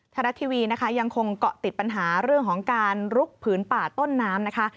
รัฐทีวีนะคะยังคงเกาะติดปัญหาเรื่องของการลุกผืนป่าต้นน้ำนะคะ